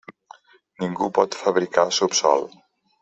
Ningú pot «fabricar» subsòl.